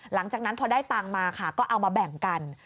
หลังจากนั้นพอได้ตังค์มาค่ะก็เอามาแบ่งกัน